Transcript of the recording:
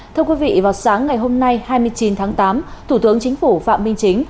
thưa quý vị vào sáng ngày hôm nay hai mươi chín tháng tám thủ tướng chính phủ phạm minh chính